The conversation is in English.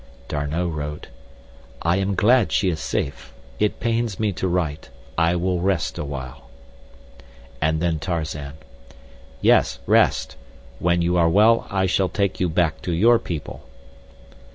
D'Arnot wrote: I am glad she is safe. It pains me to write, I will rest a while. And then Tarzan: Yes, rest. When you are well I shall take you back to your people.